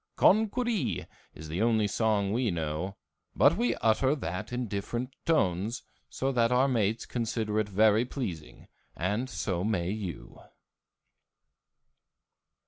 Con cur ee is the only song we know, but we utter that in different tones, so that our mates consider it very pleasing, and so may you.